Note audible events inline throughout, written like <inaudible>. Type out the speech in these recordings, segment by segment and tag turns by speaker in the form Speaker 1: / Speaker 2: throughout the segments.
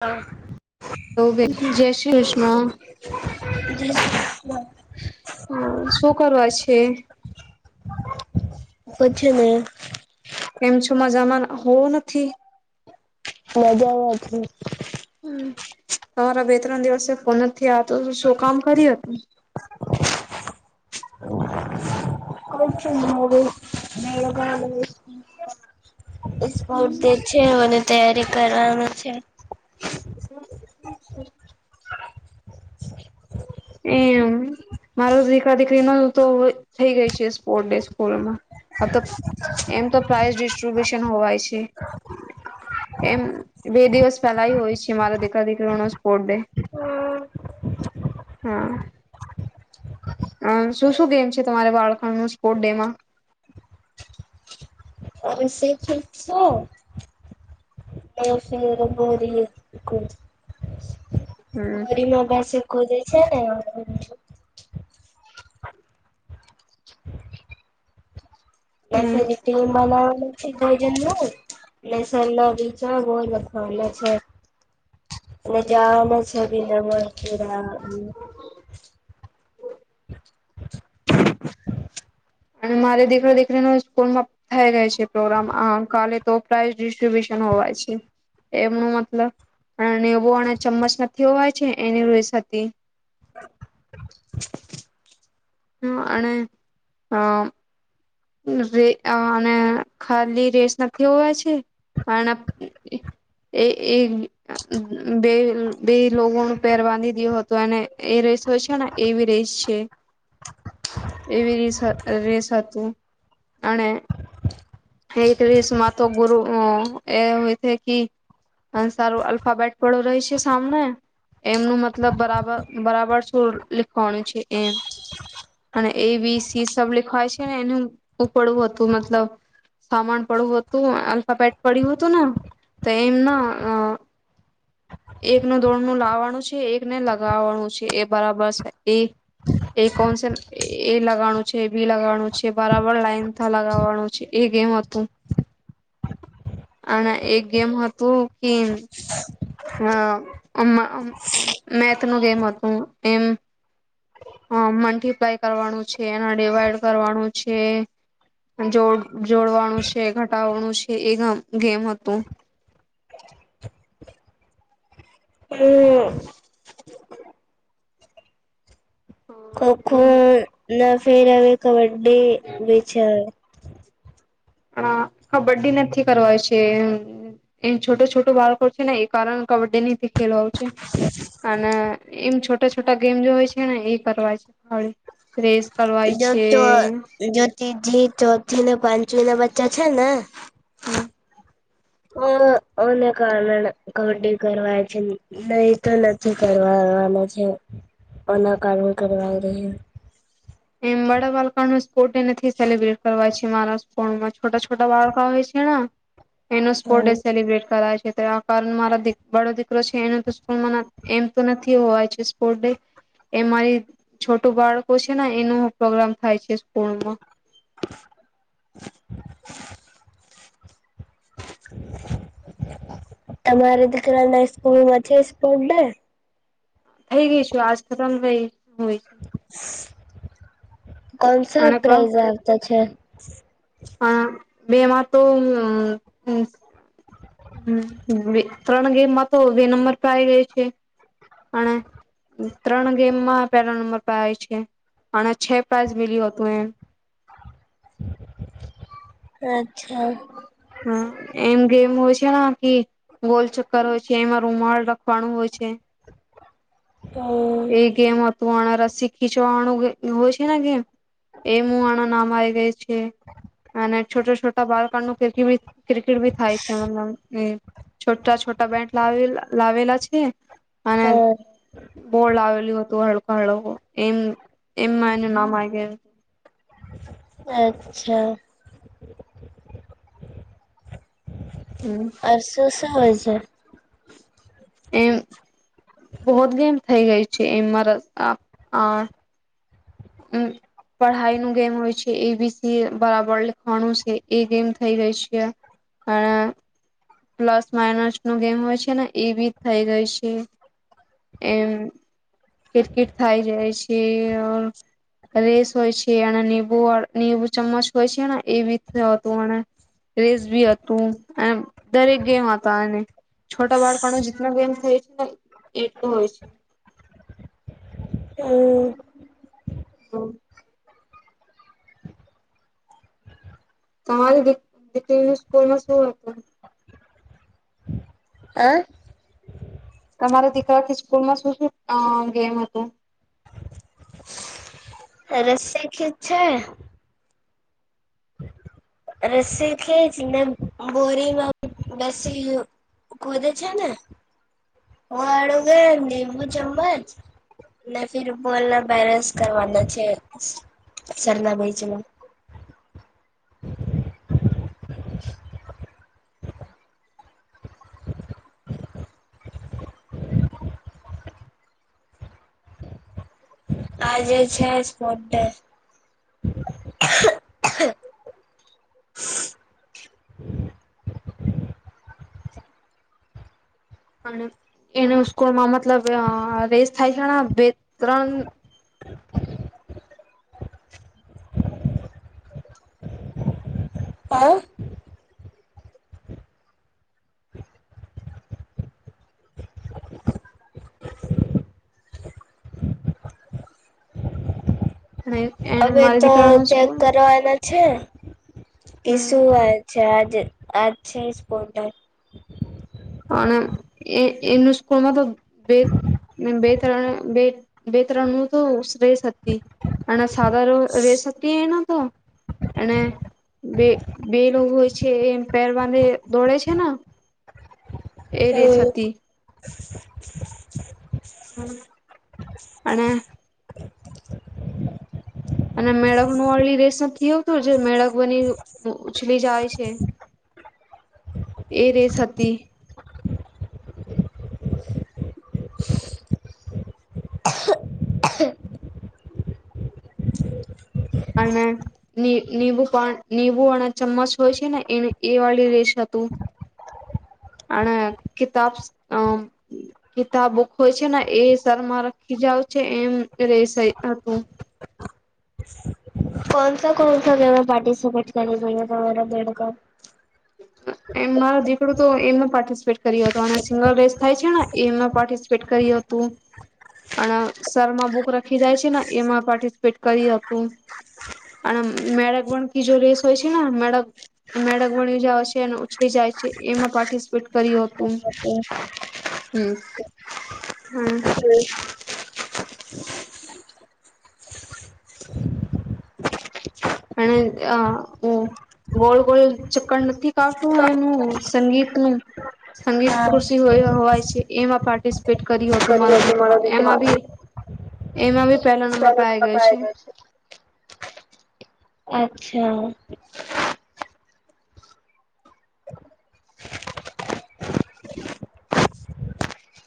Speaker 1: હા
Speaker 2: ઓ વે જય શ્રી કિષ્ણ.
Speaker 1: <unintelligible>
Speaker 2: હ શું કરવા છે?
Speaker 1: પછીને
Speaker 2: કેમ છો મજામાં? હું નથી.
Speaker 1: મજામાં છું.
Speaker 2: હમ તમારા બે-ત્રણ દિવસ થી ફોન નથી આવતો તો શું કામ કર્યું?
Speaker 1: કોચ નવેું મેળગ
Speaker 2: હતું
Speaker 1: ઇસ્પોટ ડે છે અને તૈયારી કરવાનું છે.
Speaker 2: હમ <unintelligible> એ મારો દીકરા-દીકરીનો તો થઈ ગઈ છે સ્પોર્ટ ડે સ્કૂલમાં. આ તો એમ તો પ્રાઈઝ ડિસ્ટ્રીબ્યુશન હોવાય છે એમ બે દિવસ પેલા ઈ હોય છે મારા દીકરા દીકરીનો સ્પોર્ટ ડે. હા અ શું શું ગેમ છે તમારે બાળકોને સ્પોર્ટ ડે માં?
Speaker 1: અ સેફ ઈન સો એ ફરી <unintelligible> ગરીમાં બેસે ખોલે છે ને?
Speaker 2: હમ
Speaker 1: આસીડીટી ઓ નો બનાવ પ્રયોજનનું લેસ પેલા વીચાર બો લખાવેલા છે અને જયા અમે છે બનમ પુરા
Speaker 2: અને મારે દીકરા દીકરી ન સ્કૂલમાં થઈ ગઈ છે પ્રોગ્રામ આ કાલે તો પ્રાઈઝ ડિસ્ટ્રીબ્યુશન હોવાય છે એમનું મતલબ અને એવો અને ચમ્મચમાં જોવાય છે એને રોય સાથે હ અને હ અ અને ખાલી રેસ નથી હોવાય છે. પણ એ એ બે બે લોગોનું પેર બાંધી દી હતું અને એ રેસ હોય છે ને એવી રેસ છે એવી રેસ રેસ હતું. અને એક રેસમા તો ગુરુ ઉ એ હોય તે કી સારું અલ્ફાબેટ પડો રેય છે, સામને એમનું મતલબ બરાબર બરાબર શું લીખવાનું છે એમ અને એ બી સી સબ લીખવાય છે ને એનું પડવું હતું મતલબ સામાન પડવું હતું આલ્ફાબેટ પડ્યું હતું ને તો એમના આ એમનું દોડનું લાવવાનું છે એક ને લગાવવાનું છે એ બરાબર છે એ કોન છે એ લગાવાનું છે બી લગાવાનું છે. બરાબર લાાઈન થ લગાવવાનું છે એ ગેમ હતું. અને એક ગેમ હતું કે આ આમાં મેથ નું ગેમ હતું એમ અ મલ્ટીપ્લાય કરવાનું છે, એના ડિવાઈડ કરવાનું છે, જોડ જોડવાનું છે, ઘટાવાનું છે એ ગેમ હતું.
Speaker 1: હમ <unintelligible> ખો, ખો. ના ફેર હવે કબડ્ડી. બે વિચાર.
Speaker 2: અ કબડ્ડી નથી કરવાય છે, એમ છોટો છોટો બાળકો છે ને. એ કારણ કબડ્ડી નથી ખેલવા છે, અને એમ છોટા છોટા ગેમ જો હોય છે ને, એ કરવાય છે. રેસ. કરવાય છે
Speaker 1: જો જો ત્રીજી ચોથી ને પાંચમ ને બ જ છે ને
Speaker 2: હમ.
Speaker 1: હ, આના કારણે કબડ્ડી કરવાય છે, નહીં તો નથી કરવાના છે. ઓના કારણે કરવા.
Speaker 2: એબડા પાલકાનું કોટે નથી સેલિબ્રેટ કરવા છે. મારા કોણમાં છોટા છોટા બાળકા હોય છે. એનો સ્પો ડે
Speaker 1: હમ
Speaker 2: સેલિબ્રેટ કરાય છે. આ કારણ મારા દીકરો છે, એનું તો સ્કૂલમાં એમ તો નથી હોય છે. સ્પોર્ટ ડે, એ મારી છોટું બાળકો છે ને. એનો પ્રોગ્રામ થાય છે સ્કૂલમાં
Speaker 1: <unintelligible> તમારે દીકરા ના સ્કૂલોમાં છે સ્પોર્ટ ડે?
Speaker 2: થઈ ગઈ છું આજ ખતમ થઈ. હોય છે
Speaker 1: <unintelligible> કોણસા
Speaker 2: અને
Speaker 1: પ્રાઇઝ આવતા છે. હ.
Speaker 2: હ બે એમાં તો હ. હમ, હ. ત્રણ ગેમમાં તો બે નંબર પર આવી ગઈ છે, અને ત્રણ ગેમમાં પેલા નંબર પર આવે છે, અને છે પ્રાઇઝ મિલ્યું હતું એમ.
Speaker 1: અચ્છા.
Speaker 2: હા, એમ ગેમ હોય છે કે ગોલચક્કર હોય છે, એમાં રૂમાળ રખવાનું હોય છે.
Speaker 1: હમ
Speaker 2: એ ગેમ તું આણ રસી ખીચવા વાનું હોય છે ને, કે એમું આણ નામ આવી ગઈ છે, અને છોટા છોટા બાળકનું. ક્રિકેટ ભી થાય છે મતલબ એ. છોટા છોટા બેન્ટ લાવેલા લાવેલા છે.
Speaker 1: હમ.
Speaker 2: ગોળ આવેલું હતું, હળકો હળકો એમ. એમમાંનુ નવાયગે. <unintelligible>
Speaker 1: અચ્છા, અચ્છા.
Speaker 2: હમ
Speaker 1: અરસું. તો હાજર.
Speaker 2: એ <unintelligible> થઇ ગઈ છે એ મારા આ. મ પઢાઈનું ગેમ હોય છે એબીસી બરાબર લખવાનું છે એ ગેમ થઈ ગઈ છે અ પ્લસ માઇનસ નો ગેમ હોય છે ને એ બી થઈ જાય છે એમ કિકટ થાય જાય છે અ રેસ હોય છે અને બુ બુ ચમ્મચ હોય છે ને એ બી હતું અને રેસ બી હતું એ દરેક ગેમ હતા એને છોટા બાળપનો જેટલો ગેમ થાય છે ને એટલો હોય છે.
Speaker 1: હમ.
Speaker 2: હમ. તમારી દીકરી નું સ્કૂલમાં શું હતું?
Speaker 1: અ.
Speaker 2: તમારા દીકરાથી સ્કૂલમાં શું શું ગેમ હતુ?
Speaker 1: રસી ખીચ છે. રસ્સી ખીચ ને બોરીમાં બેસી ખોદે છે ને હડો ગયોમ ચમજ. ને ફિર બોલના બેરેન્સ કરવાના છે સરના ભાઈજમાં. આજે છે જ મો
Speaker 2: અને. એને સ્કૂલમાં મત લબ આ રેસ થાય છે બે ત્રણ
Speaker 1: હા.
Speaker 2: અને એને
Speaker 1: હવે
Speaker 2: મારી
Speaker 1: તો
Speaker 2: દીકરાનું
Speaker 1: ચેક
Speaker 2: સ્કૂલ
Speaker 1: કરવાના છે. કે
Speaker 2: હમ
Speaker 1: શું છે. જે આજ છે સ્પોટર.
Speaker 2: અને એ એમની સ્કૂલમાં તો બે બે ત્રણ બે બે ત્રણ નું તો શ્રેસ અને સાદા રેસ હતી એને તો અને બે બે લોકો હોય છે એમ. પેર બાંધી દોડે છે ને. એ રેસ
Speaker 1: એવુ. <inaudible>
Speaker 2: હતી. અણે અને મેળક ન અલી રસ એવું તો જે મેળક બની ઉછલી જાય છે એ રેસ હતી. અને લી લીબુ પાન લીબું અને ચમ્મચ હોય છે ને એ એ વાળી રેશ હતું અને કિતાબ કિતાબુક હોય છે ને એ શમાં રાખી જાવ છે એમ રેસ હતું.
Speaker 1: કોનસા કોનસા ગેમ પાર્ટિસિપેટ કર રહ્યા તમારા બાળકો.
Speaker 2: એમ મારો દીકરો. તો એનું પાર્ટિસિપેટ કરી તોને સિંગલ રેસ થાય છે ને. એમાં પાર્ટિસિપેટ કરી હતું અને સરમાં બુક રાખી જાય છે ને એમાં પાર્ટિસિપેટ કરી હતું અને મેડક વણકી જો રેસ હોય છે ને મેળક મેળક ઉડી જાય છે ને ઉંચકી જાય છે એમાં પાર્ટિસિપેટ કર્યું હતું.
Speaker 1: હ.
Speaker 2: હમ્મ.
Speaker 1: હમ. <unintelligible>
Speaker 2: અને હું ગોળ ગોળ ચક્કર નથી કાઢતું એું સંગીતનુંું સંગીત
Speaker 1: હા
Speaker 2: કૃષિ હોય છે એમાં પાર્ટ ફિટ કર્યો હતું મારો દીકરો એમ આવી એમાં <unintelligible>
Speaker 1: પને તો પક આવી ગ છે. અચ્છા.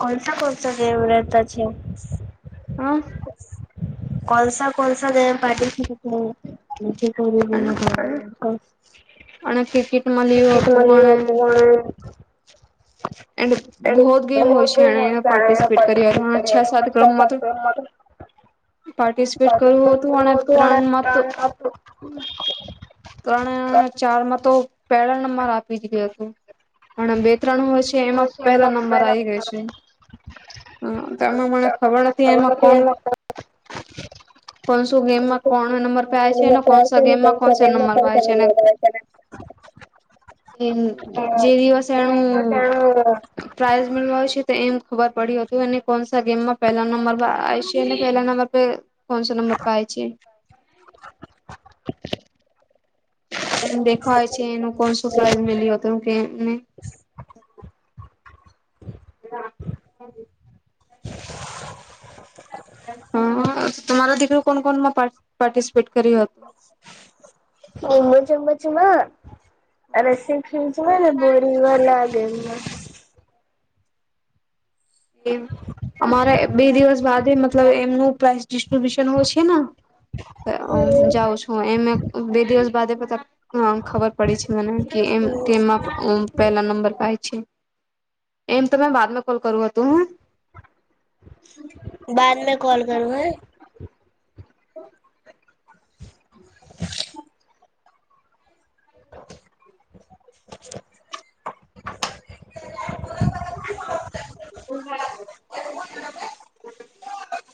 Speaker 1: કોલસા કોસા જેમ રહેતા છે.
Speaker 2: હા <unintelligible>
Speaker 1: કોલસા કોલસા જેટી
Speaker 2: અને ક્રિકેટ માં લેવું હતું પણ
Speaker 1: હ. <unintelligible>
Speaker 2: એ બહુ જ ગેમ હોય છે પાર્ટિસિપેટ કર્યા અને છ સાત ક્રમમાં તો પાર્ટિસિપેટ કર્યું હતું અને ત્રણમાં તો
Speaker 1: અને
Speaker 2: ત્રણ ચારમાં તો પહેલા નંબર આપી ગ ગયો હતો. પણ આમ બે ત્રણું હ છે. પહેલા નંબર આવી ગયા છે હ તો એમાં મને ખબર નથી એમાં કોણ કોણ શું ગેમમાં કોણ નંબર પે આવે છે ને કોસા ગેમમાં કોણસા નંબર પ આવે છે જે દિવસે એનું પ્રાાઈઝ મેળવા છે તો એમ ખબર પડી હતુંને કોણસા ગેમમાં પહેલા નંબર પર આવે છે અને પહેલા નંબર કોનસા નંબર પર છે.
Speaker 1: <inaudible>
Speaker 2: એમ દેખાય છે એનું કોણ સરપ્રાઈઝ મિલ્યું હતું કે એમને ના <unintelligible> હ તમારા દીકરી કોણ કોણ પાર્ટિસિપેટ કરીત
Speaker 1: એમ જ અબત ચમાં <unintelligible> રસી ખ જ નાને બોરીંગ વા બેમલા.
Speaker 2: એ અમારા બે દિવસ બાદ મતલબ એમનું પ્રાઇસ ડિસ્ટ્રીબ્યુશન હોય છે ને. હ જાઉં છું એમે બે દિવસ બાદ ખબર પડી છે મને કે એમમાં પહેલા નંબર પાય છે એમ તોમે બાદમાં કોલ કરું હતું. હું <unintelligible> તો <unintelligible>
Speaker 1: <inaudible>
Speaker 2: <inaudible> હમ <unintelligible>